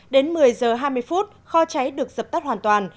đến một mươi giờ hai mươi phút kho cháy được dập tắt hoàn toàn